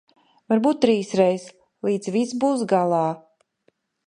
Varbūt trīsreiz, līdz viss būs galā.